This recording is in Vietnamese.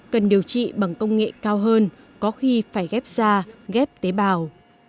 cần điều trị bằng công nghệ cao hơn có khi phải ghép da ghép tế bào